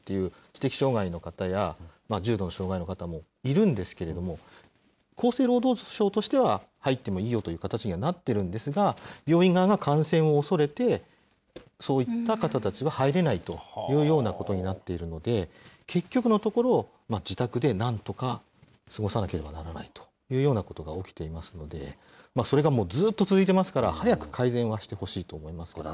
なので、結局は自宅療養とか、あと病院も、ヘルパーさんに入ってもらいたいっていう知的障害の方や、重度の障害の方もいるんですけれども、厚生労働省としては、入ってもいいよという形にはなってるんですが、病院側が感染を恐れて、そういった方たちが入れないというようなことになっているので、結局のところ、自宅でなんとか過ごさなければならないというようなことが起きていますので、それがもうずっと続いてますから、早く改善はしてほしいと思います。